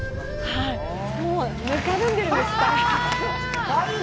もうぬかるんでるんです。